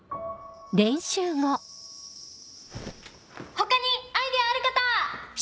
他にアイデアある方！